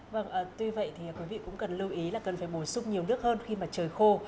vâng tuy vậy thì quý vị cũng cần lưu ý là cần phải bổ sung nhiều nước hơn khi mà trời khô